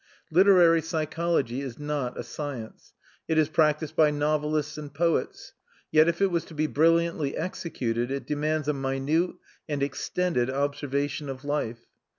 Literary psychology is not a science; it is practised by novelists and poets; yet if it is to be brilliantly executed it demands a minute and extended observation of life.